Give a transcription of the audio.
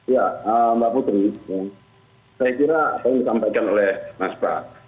ya mbak putri saya kira apa yang disampaikan oleh mas pras